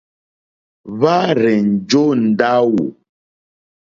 Hwá rzènjó ndáwù.